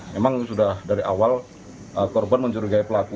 memang sudah dari awal korban mencurigai pelaku